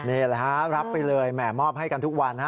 นี่แหละฮะรับไปเลยแหม่มอบให้กันทุกวัน